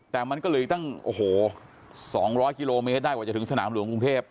แต่มันก็เลยตั้ง๒๐๐กิโลเมตรได้กว่าจะถึงสนามหลวงกรุงเทพ